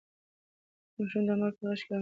ماشوم د مور په غېږ کې د امن احساس کاوه.